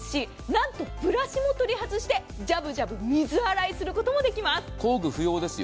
中も清潔ですし、なんとブラシも取り外してジャブジャブ水洗いすることができます。